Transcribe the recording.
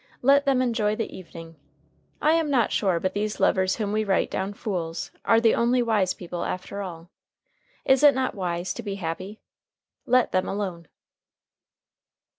Let them enjoy the evening. I am not sure but these lovers whom we write down fools are the only wise people after all. Is it not wise to be happy? Let them alone.